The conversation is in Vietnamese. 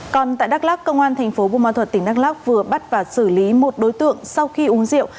còn tại đắk lắk công an tp hcm vừa bắt và xử lý một đối tượng sau khi uống rượu